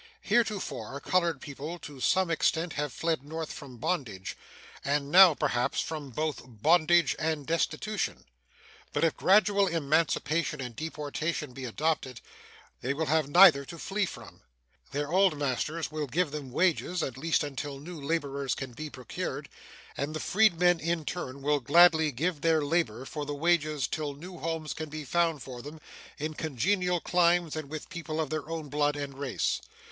Heretofore colored people to some extent have fled North from bondage, and now, perhaps, from both bondage and destitution. But if gradual emancipation and deportation be adopted, they will have neither to flee from. Their old masters will give them wages at least until new laborers can be procured, and the freedmen in turn will gladly give their labor for the wages till new homes can be found for them in congenial climes and with people of their own blood and race.